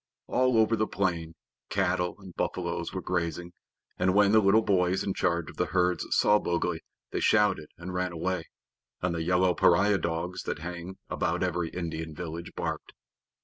All over the plain, cattle and buffaloes were grazing, and when the little boys in charge of the herds saw Mowgli they shouted and ran away, and the yellow pariah dogs that hang about every Indian village barked.